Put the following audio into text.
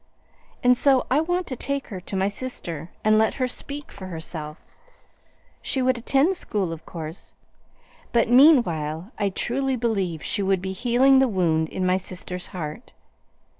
And so I want to take her to my sister and let her speak for herself. She would attend school, of course, but meanwhile I truly believe she would be healing the wound in my sister's heart.